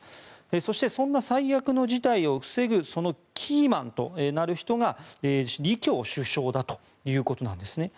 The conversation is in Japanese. そしてそんな最悪の事態を防ぐキーマンとなる人が李強首相だということなんです。